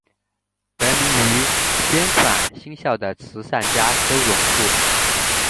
得名于捐款兴校的慈善家周荣富。